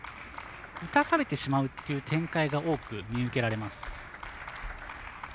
打たされてしまうっていう展開が多く見受けられます。